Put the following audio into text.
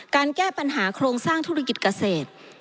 แก้ปัญหาโครงสร้างธุรกิจเกษตร